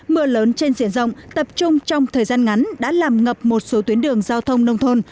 mưa lớn trên diện rộng tập trung trong thời gian ngắn đã làm ngập một số tuyến đường giao thông nông thôn